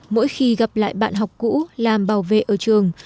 mỗi khi gặp lại bạn học cũ làm bảo vệ ở trường